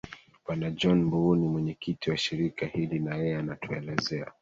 bwana john mbuuni mwenyekiti wa shirika hili na yeye anatuelezea